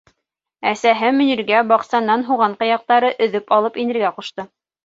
Әсәһе Мөниргә баҡсанан һуған ҡыяҡтары өҙөп алып инергә ҡушты.